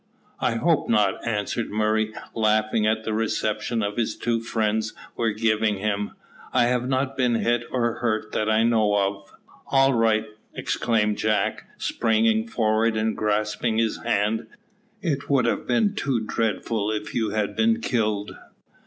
"I hope not," answered Murray, laughing at the reception his two friends were giving him. "I have not been hit or hurt that I know of." "All right," exclaimed Jack, springing forward and grasping his hand, which he wrung heartily. "I am so glad. It would have been too dreadful if you had been killed."